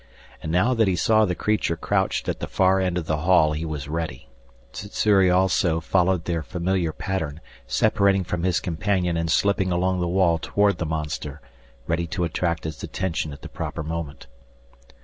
And now that he saw the creature crouched at the far end of the hall he was ready. Sssuri, also, followed their familiar pattern, separating from his companion and slipping along the wall toward the monster, ready to attract its attention at the proper moment.